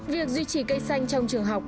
việc duy trì cây xanh trong trường học